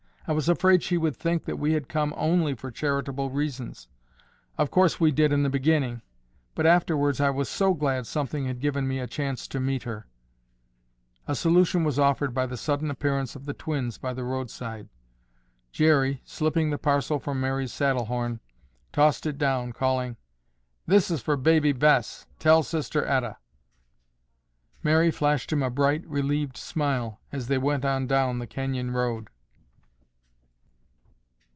I was afraid she would think that we had come only for charitable reasons. Of course we did in the beginning, but, afterwards, I was so glad something had given me a chance to meet her." A solution was offered by the sudden appearance of the twins by the roadside. Jerry, slipping the parcel from Mary's saddle horn, tossed it down, calling, "This is for Baby Bess, tell Sister Etta." Mary flashed him a bright, relieved smile as they went on down the canyon road.